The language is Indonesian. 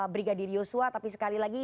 brigadir yosua tapi sekali lagi